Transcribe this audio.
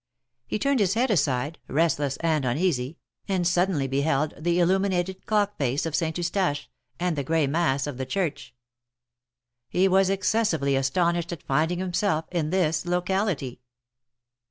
He turned his head aside, restless and uneasy, and sud denly beheld the illuminated clock face of Saint Eustache, and the gray mass of the church. He was excessively astonished at finding himself in this locality.